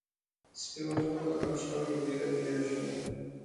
سپي وغپل او شپه په وېره تېره شوه.